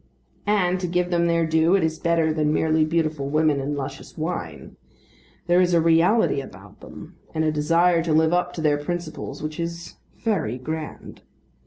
And, to give them their due, it is better than merely beautiful women and luscious wine. There is a reality about them, and a desire to live up to their principles which is very grand.